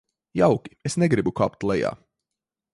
Jauki, es negribu kāpt lejā.